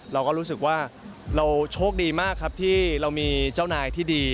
เราก็รู้สึกว่าเราโชคดีมากครับที่เรามีเจ้านายที่ดี